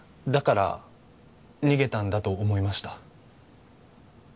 だから逃げたんだと思いました